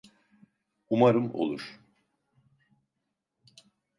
Umarım olur.